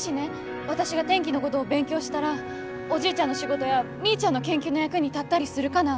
私が天気のごどを勉強したらおじいちゃんの仕事やみーちゃんの研究の役に立ったりするかな？